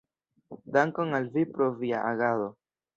Dankon al vi pro via agado!